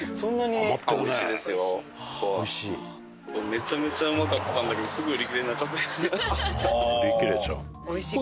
めちゃめちゃうまかったんだけどすぐ売り切れになっちゃって。